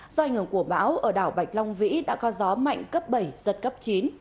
do ảnh hưởng của bão ở đảo bạch long vĩ đã có gió mạnh cấp bảy giật cấp chín